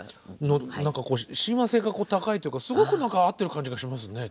の何かこう親和性が高いというかすごく合ってる感じがしますね。